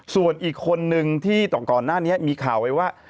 ส่วนอีกคนนึงที่ก่อนหน้านี้มีข่าวไว้ว่า